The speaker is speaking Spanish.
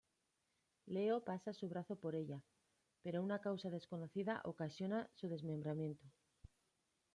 Leo pasa su brazo por ella, pero una causa desconocida ocasiona su desmembramiento.